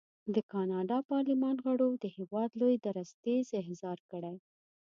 د کاناډا پارلمان غړو د هېواد لوی درستیز احضار کړی.